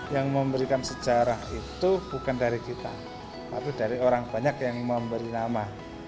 yang memberikan sejarah itu bukan dari kita tapi dari orang banyak yang memberi nama